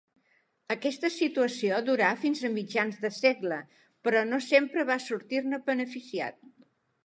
Aquesta situació durà fins a mitjans de segle, però no sempre va sortir-ne beneficiat.